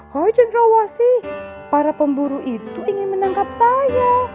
hai jendra wasih para pemburu itu ingin menangkap saya